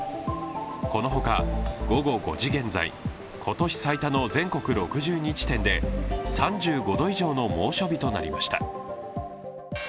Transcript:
このほか、午後５時現在、今年最多の全国６２地点で３５度以上の猛暑日となりました。